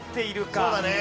そうだね。